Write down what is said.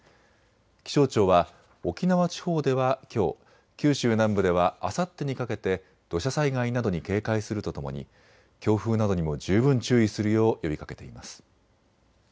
気象庁は沖縄地方ではきょう、九州南部ではあさってにかけて土砂災害などに警戒するとともに強風などにも十分注意するよう呼びかけています。